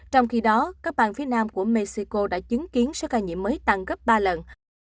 trong khi đó các bang phía nam của mexico đã chứng kiến số ca nhiễm mới tăng gấp ba lần